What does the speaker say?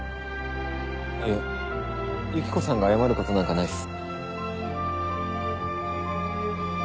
いえユキコさんが謝ることなんかないっす。